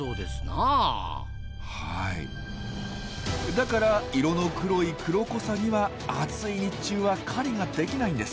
だから色の黒いクロコサギは暑い日中は狩りができないんです。